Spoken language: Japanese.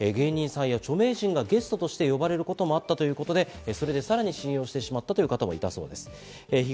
さらに芸人さんや著名人がゲストとして呼ばれることもあったということで、それでさらに信用してしまったという方もいたそうです。